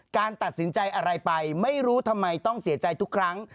การตัดสินใจอะไรไปไม่รู้ทำไมต้องเสียใจทุกครั้ง